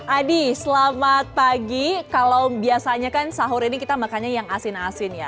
adi selamat pagi kalau biasanya kan sahur ini kita makannya yang asin asin ya